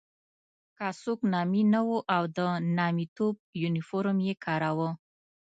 که څوک نامي نه وو او د نامیتوب یونیفورم یې کاراوه.